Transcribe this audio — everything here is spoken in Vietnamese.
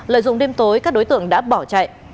lợi dụng đêm tối các đối tượng đã bỏ chạy